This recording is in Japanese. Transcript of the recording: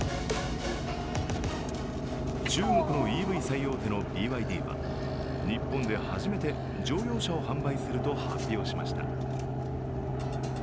中国のＥＶ最大手のＢＹＤは日本で初めて乗用車を販売すると発表しました。